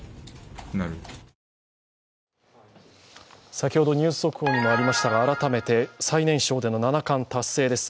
先ほどニュース速報にもありましたが改めて、最年少での七冠達成です。